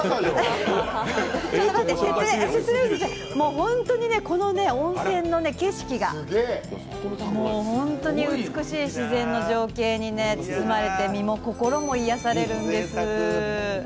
本当にこの温泉の景色が本当に美しい自然の情景に包まれて身も心も癒やされるんです。